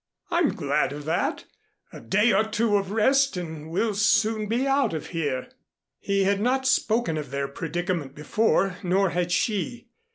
"I'm glad of that, a day or two of rest and we'll soon be out of here." He had not spoken of their predicament before, nor had she.